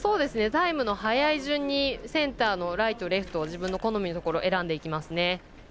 タイムの速い順にセンターのライトレフトを自分の好みのところを選んでいきますね。